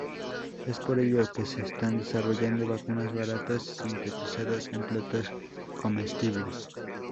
Es por ello, que se están desarrollando vacunas baratas sintetizadas en plantas comestibles.